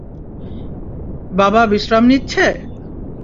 বাবা বিশ্রাম নিচ্ছে!